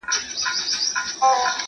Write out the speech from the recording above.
که ایران لارې بندې کړي تجارت به زیانمن شي.